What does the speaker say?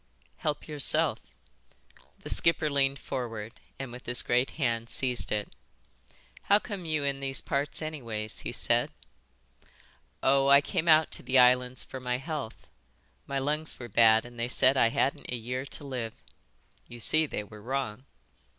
"Help yourself." The skipper leaned forward and with his great hand seized it. "And how come you in these parts anyways?" he said. "Oh, I came out to the islands for my health. My lungs were bad and they said I hadn't a year to live. You see they were wrong."